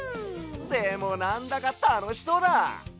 でもなんだかたのしそうだ！